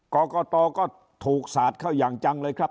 กรกตก็ถูกสาดเข้าอย่างจังเลยครับ